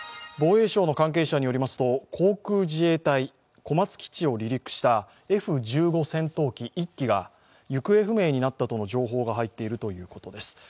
防衛省の関係者によりますと、航空自衛隊小松基地を離陸したＦ１５戦闘機１機が、行方不明になったとの情報が入っているということです。